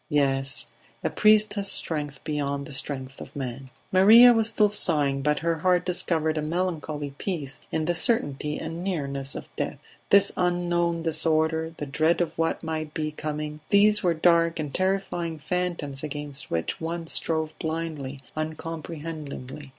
Yes, a priest has strength beyond the strength of men." Maria was still sighing, but her heart discovered a melancholy peace in the certainty and nearness of death. This unknown disorder, the dread of what might be coming, these were dark and terrifying phantoms against which one strove blindly, uncomprehendingly.